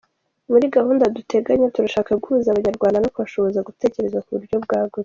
Muri gahunda duteganya turashaka guhuza Abanyarwanda no kubashoboza gutekereza ku buryo bwagutse.